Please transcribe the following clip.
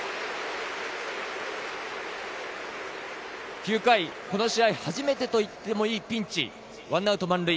９回、この試合初めてといってもいいピンチ、１アウト満塁。